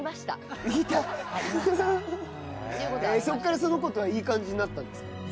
そっからその子とはいい感じになったんですか？